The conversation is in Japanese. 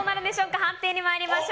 判定にまいりましょう。